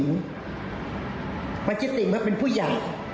เพราะเจ๊ติ๋มเขาเป็นผู้อย่าง